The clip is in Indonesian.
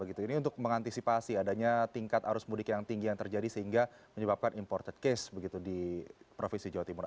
ini untuk mengantisipasi adanya tingkat arus mudik yang tinggi yang terjadi sehingga menyebabkan imported case begitu di provinsi jawa timur